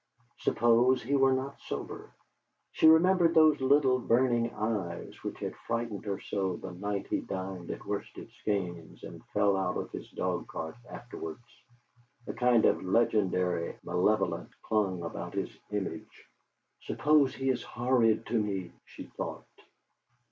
Suppose he were not sober! She remembered those little burning eyes, which had frightened her so the night he dined at Worsted Skeynes and fell out of his dogcart afterwards. A kind of legendary malevolence clung about his image. '.uppose he is horrid to me!' she thought.